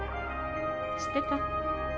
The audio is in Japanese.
知ってた？